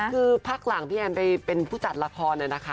คือพักหลังพี่แอนไปเป็นผู้จัดละครเนี่ยนะคะ